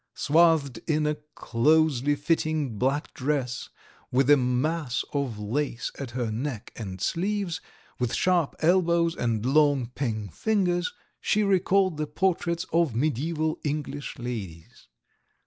Swathed in a closely fitting black dress with a mass of lace at her neck and sleeves, with sharp elbows and long pink fingers, she recalled the portraits of mediæval English ladies.